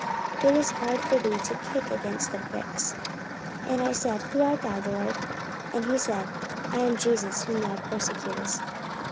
it is hard for thee to kick against the pricks. 44:026:015 And I said, Who art thou, Lord? And he said, I am Jesus whom thou persecutest.